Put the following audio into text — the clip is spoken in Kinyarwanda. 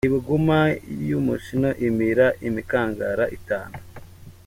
Ibuguma y’umushino imira imikangara itanu.